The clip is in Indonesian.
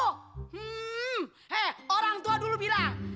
hmm he orang tua dulu bilang